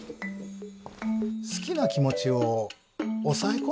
好きな気持ちを抑え込む